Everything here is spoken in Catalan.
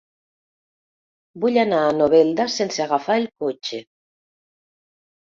Vull anar a Novelda sense agafar el cotxe.